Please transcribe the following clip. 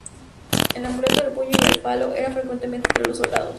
El "amuleto del puño y el falo" era frecuente entre los soldados.